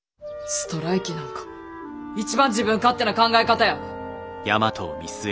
ストライキなんか一番自分勝手な考え方や。